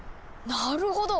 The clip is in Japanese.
なるほど！